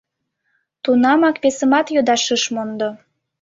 Тунамак весымат йодаш ыш мондо.